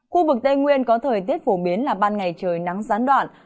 khu vực tây nguyên có thời tiết phổ biến là ban ngày trời nắng gián đoạn